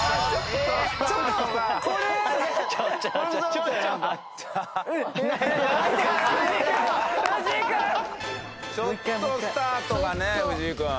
ちょっとスタートがね藤井君。